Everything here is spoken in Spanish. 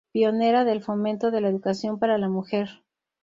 Pionera del fomento de la educación para la mujer.